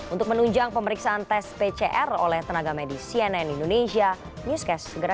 untuk menunjang pemeriksaan tes pcr oleh tenaga medis cnn indonesia newscast